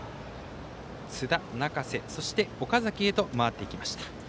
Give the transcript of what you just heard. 津田、中瀬、岡崎へと回っていきました。